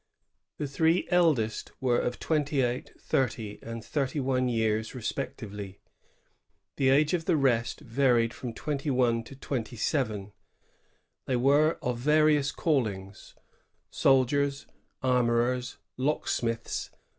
The three eldest were of twenty eight, thirty, and thirty one years respectively. The age of the rest varied from twenty one to twenty seven. They were of various callings, — soldiers, armorers, locksmiths, VOL.